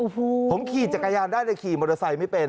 ผมขี่จากกายารได้แต่ขี่มอเตอร์ไซค์ไม่เป็น